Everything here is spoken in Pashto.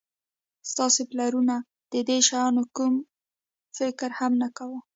ستاسو پلرونو د دې شیانو فکر هم نه کاوه